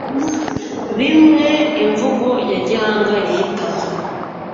bimwe imvugo ya gihanga yita